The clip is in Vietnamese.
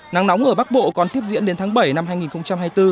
nắng nóng ở bắc bộ còn tiếp diễn đến tháng bảy năm hai nghìn hai mươi bốn